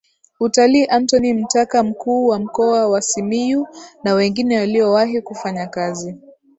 Utalii Antony Mtaka mkuu wa Mkoa wa Simiyu na wengine waliowahi kufanya kazi